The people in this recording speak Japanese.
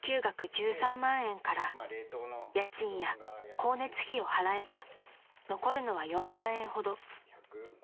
１３万円から家賃や光熱費を払えば残るのは４万円ほど］